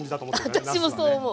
私もそう思う。